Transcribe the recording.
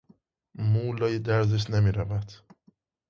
مو لای درزش نمیرود.